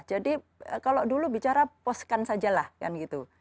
jadi kalau dulu bicara poskan saja lah kan gitu